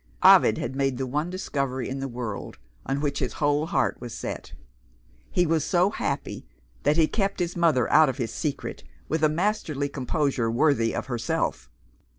Ovid had made the one discovery in the world, on which his whole heart was set. He was so happy, that he kept his mother out of his secret, with a masterly composure worthy of herself.